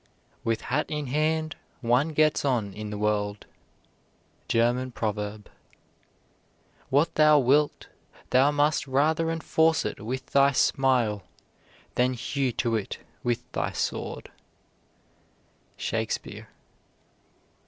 With hat in hand, one gets on in the world. GERMAN PROVERB. What thou wilt, Thou must rather enforce it with thy smile, Than hew to it with thy sword. SHAKESPEARE.